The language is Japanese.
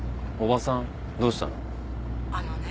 叔母さんどうしたの？